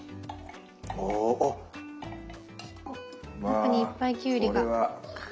中にいっぱいきゅうりが。